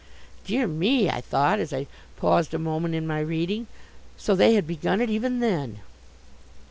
"Dear me," I thought, as I paused a moment in my reading, "so they had begun it even then."